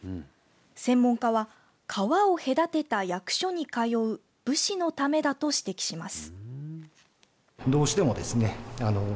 専門家は川を隔てた役所に通う武士のためだと指摘します。